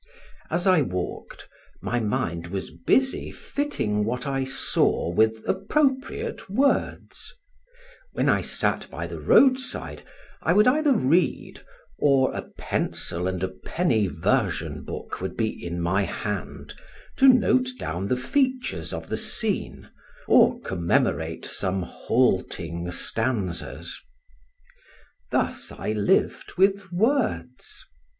As I walked, my mind was busy fitting what I saw with appropriate words; when I sat by the roadside, I would either read, or a pencil and a penny version book would be in my hand, to note down the features of the scene or commemorate some halting stanzas. Thus I lived with words.